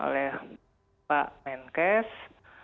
oleh pak menkes